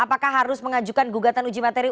apakah harus mengajukan gugatan uji materi